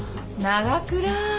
長倉。